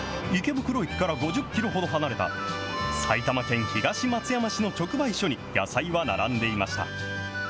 池袋駅から５０キロほど離れた、埼玉県東松山市の直売所に野菜は並んでいました。